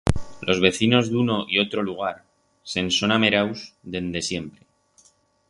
Los vecinos d'uno y otro lugar se'n son ameraus dende siempre.